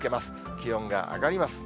気温が上がります。